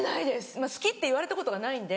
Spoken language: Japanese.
まぁ「好き」って言われたことがないんで。